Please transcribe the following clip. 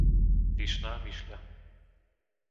Vyšná Myšľa